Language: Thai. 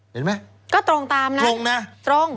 เห็นไหมก็ตรงตามนะตรงนะตรง